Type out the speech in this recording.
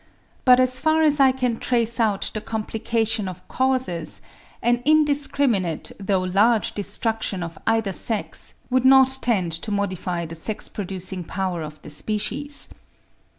But as far as I can trace out the complication of causes, an indiscriminate though large destruction of either sex would not tend to modify the sex producing power of the species.